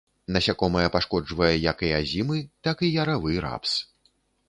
Насякомае пашкоджвае як і азімы, так і яравы рапс.